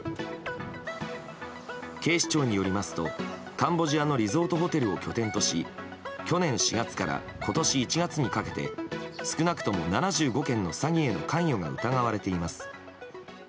警視庁によりますとカンボジアのリゾートホテルを拠点とし去年４月から今年１月にかけて少なくとも７５件の詐欺への関与が疑われています。